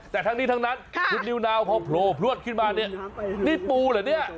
แต่ทั้งนี้ทั้งนั้นคุณนิวนาวพอโผล่พลวดขึ้นมาเนี่ยนี่ปูเหรอเนี่ย